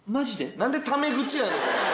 何でタメ口やねん。